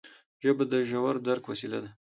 ژبه د ژور درک وسیله ده